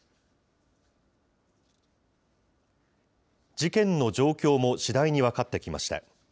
事件の状況も次第に分かってきました。